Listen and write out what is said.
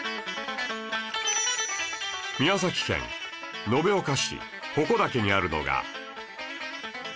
宮崎県延岡市鉾岳にあるのが